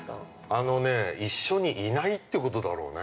◆あのね、一緒にいないってことだろうね。